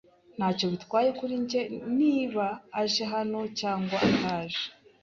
Ntacyo bitwaye kuri njye niba aje hano cyangwa ataje.